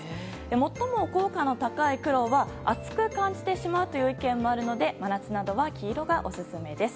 最も効果の高い黒は暑く感じてしまうという意見もあるので真夏などは黄色がオススメです。